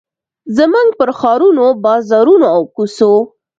زموږ پر ښارونو، بازارونو، او کوڅو